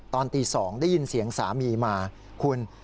ตอนตี๒ได้ยินเสียงสามีมาคุณ